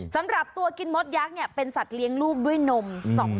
คำถามคือกลิ่นตัวผมมันโชยไปไกลถึงนู่นเลยเหรอฮะ